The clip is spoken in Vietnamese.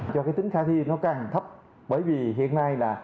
cho cái tính khả thi nó càng thấp bởi vì hiện nay là